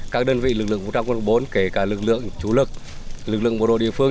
các đơn vị lực lượng quân khu bốn kể cả lực lượng chủ lực lực lượng bộ đội địa phương